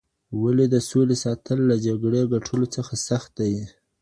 ولي د سولي ساتل له جګړې ګټلو څخه سخت دي؟